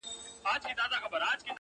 هم د زور او هم د زرو څښتنان وه!!